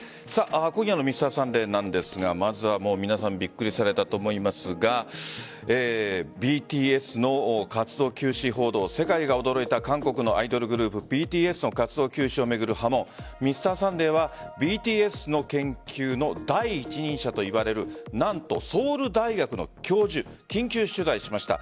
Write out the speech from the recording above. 今夜の「Ｍｒ．サンデー」なんですがまずは皆さんびっくりされたと思いますがＢＴＳの活動休止報道、世界が驚いた韓国のアイドルグループＢＴＳの活動休止を巡る波紋「Ｍｒ．サンデー」はＢＴＳの研究の第一人者といわれる何と、ソウル大学の教授緊急取材しました。